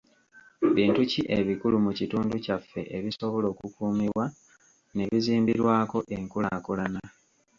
Bintu ki ebikulu mu kitundu kyaffe ebisobola okukuumibwa ne bizimbirwako enkulaakulana?